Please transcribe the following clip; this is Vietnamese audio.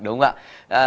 đúng không ạ